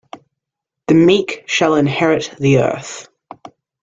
The meek shall inherit the earth.